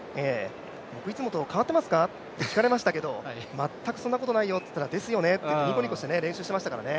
僕、いつもと変わってますか？と聞かれましたが全くそんなことないよって言ったら、そうですよねって、ニコニコして練習してましたよね。